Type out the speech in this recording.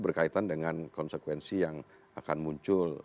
berkaitan dengan konsekuensi yang akan muncul